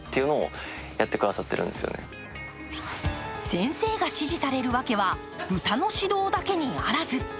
先生が支持される訳は歌の指導だけにあらず。